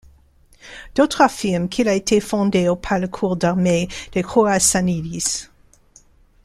D'autres affirment qu'il a été fondé au par le corps d’armée des Khourassanides.